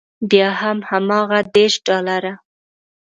بیا هم هماغه دېرش ډالره.